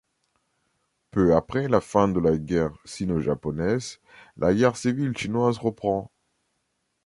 Peu après la fin de la guerre sino-japonaise, la guerre civile chinoise reprend.